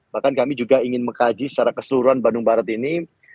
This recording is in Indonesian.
bahkan kami juga ingin mengkaji secara keseluruhan bandung barat ini